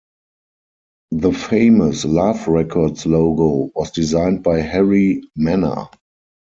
The famous Love Records logo was designed by Harri Manner.